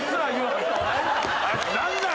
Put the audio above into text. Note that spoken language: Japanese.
あいつなんなん？